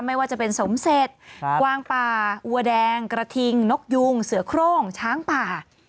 ไม่ว่าจะเป็นสมเสร็จกวางป่าวัวแดงกระทิงนกยุงเสือโครงช้างป่า